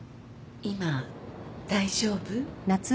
今大丈夫？